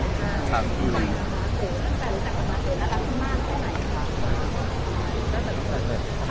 แล้วรักขึ้นมากได้ไหมครับ